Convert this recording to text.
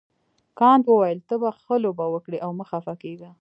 کانت وویل ته به ښه لوبه وکړې او مه خفه کیږه.